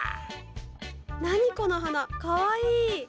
何この花かわいい。